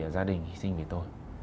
gia đình hy sinh vì tôi